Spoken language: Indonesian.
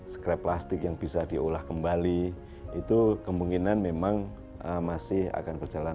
scrap plastik yang bisa diolah kembali itu kemungkinan memang masih akan berjalan